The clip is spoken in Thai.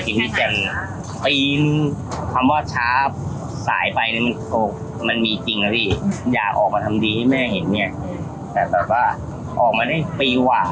จุดที่เรากำลังจะตั้งตัวได้อยากให้คุณแม่ภูมิใจในตัวเราบ้าง